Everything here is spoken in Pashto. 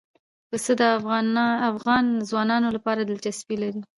پسه د افغان ځوانانو لپاره دلچسپي لري.